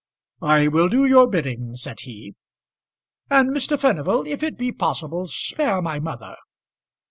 "I will do your bidding," said he. "And, Mr. Furnival, if it be possible, spare my mother."